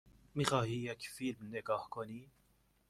می خواهی یک فیلم نگاه کنی؟